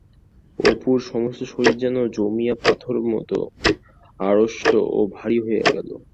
অপুর সমস্ত শরীর যেন জমিয়া পাথরের মতো আড়ষ্ট ও ভারী হইয়া গেল।